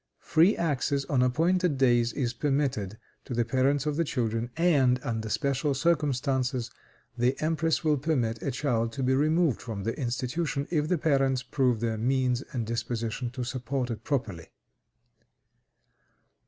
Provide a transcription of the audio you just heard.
Free access, on appointed days, is permitted to the parents of the children; and, under special circumstances, the empress will permit a child to be removed from the institution, if the parents prove their means and disposition to support it properly.